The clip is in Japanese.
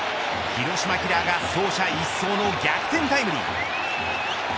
広島キラーが走者一掃の逆転タイムリー。